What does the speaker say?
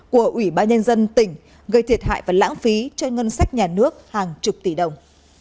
của ủy ban nhân dân tỉnh gây thiệt hại và lãng phí cho ngân sách nhà nước hàng chục tỷ đồng